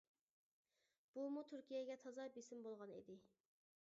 بۇمۇ تۈركىيەگە تازا بېسىم بولغان ئىدى .